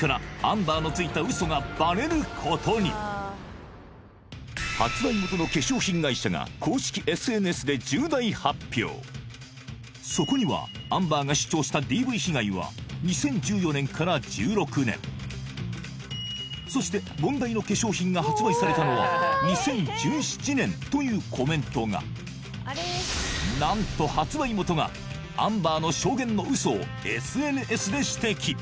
アンバーのついた嘘がバレることに発売元のそこにはアンバーが主張したＤＶ被害は２０１４年から２０１６年そして問題の化粧品が発売されたのは２０１７年というコメントが何と発売元がアンバーの証言の嘘をＳＮＳで指摘